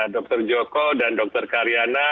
dr joko dan dr karyana